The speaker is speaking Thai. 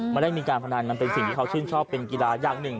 ไม่ได้มีการพนันมันเป็นสิ่งที่เขาชื่นชอบเป็นกีฬาอย่างหนึ่ง